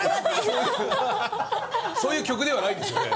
そういう曲ではないんですよね。